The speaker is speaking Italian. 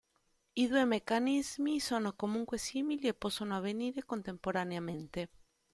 I due meccanismi sono comunque simili e possono avvenire contemporaneamente.